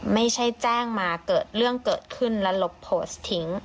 ไม่ใช่แจ้งมาเกิดเรื่องเกิดขึ้นแล้วลบโพสต์ทิ้ง